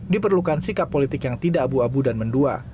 diperlukan sikap politik yang tidak abu abu dan mendua